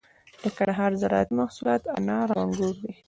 د کندهار زراعتي محصولات انار او انگور دي.